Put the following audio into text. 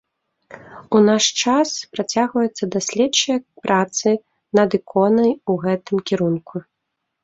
У наш час працягваюцца даследчыя працы над іконай у гэтым кірунку.